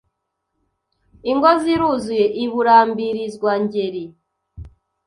Ingo ziruzuye i Burambirizwangeri